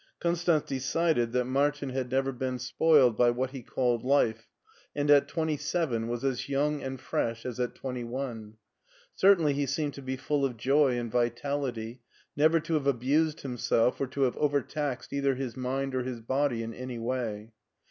Konstanz decided that Martin Had rt3 i84 MARTIN SCHULER never been spoUed by what he called life, and at twenty seven was as young and fresh as at twenty one. Certainly he seemed to be full of joy and vitality, never to have abused himself or to have overtaxed either his mind or his body in any way.